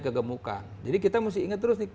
kegemukan jadi kita mesti ingat terus nih